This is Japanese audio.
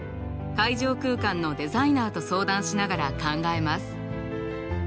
会場空間のデザイナーと相談しながら考えます。